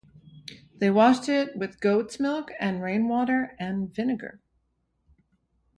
They washed it with goat's milk and rainwater and vinegar.